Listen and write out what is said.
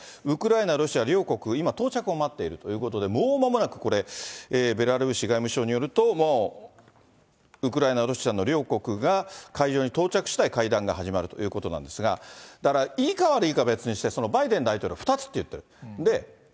ウクライナ、ロシア両国、今、到着を待っているということで、もうまもなく、これ、ベラルーシ外務省によると、もうウクライナ、ロシアの両国が会場に到着しだい、会談が始まるということなんですが、だから、いいか悪いかは別にして、バイデン大統領、２つって言ってる。